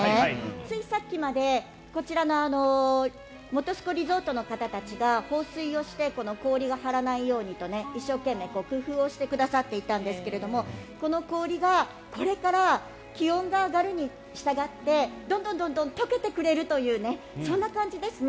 ついさっきまで、こちらの本栖湖リゾートの方たちが放水をして氷が張らないようにと一生懸命工夫をしてくださっていたんですがこの氷が、これから気温が上がるにしたがってどんどん解けてくれるというそんな感じですね。